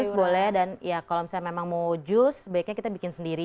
jus boleh dan ya kalau misalnya memang mau jus sebaiknya kita bikin sendiri